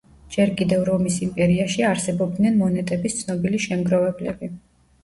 ჯერ კიდევ რომის იმპერიაში არსებობდნენ მონეტების ცნობილი შემგროვებლები.